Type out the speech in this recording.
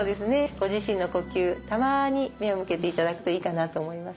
ご自身の呼吸たまに目を向けていただくといいかなと思います。